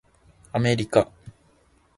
アメリカ